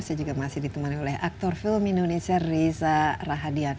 saya juga masih ditemani oleh aktor film indonesia reza rahadian